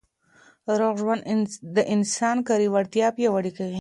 روغ ژوند د انسان کاري وړتیا پیاوړې کوي.